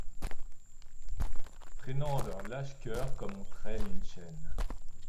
Traînant leur lâche coeur comme on traîne une chaîne